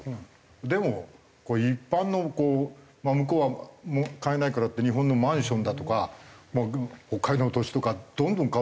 でも一般のまあ向こうは買えないからって日本のマンションだとか北海道の土地とかどんどん買う。